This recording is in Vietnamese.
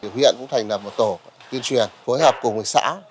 huyện cũng thành lập một tổ tuyên truyền phối hợp cùng với xã